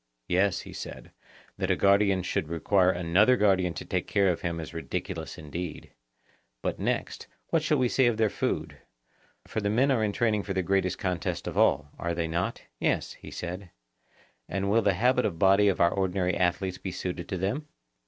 Yes, he said; that a guardian should require another guardian to take care of him is ridiculous indeed. But next, what shall we say of their food; for the men are in training for the great contest of all—are they not? Yes, he said. And will the habit of body of our ordinary athletes be suited to them?